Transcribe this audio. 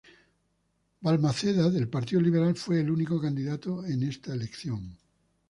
Balmaceda, del Partido Liberal, fue el único candidato en esta elección.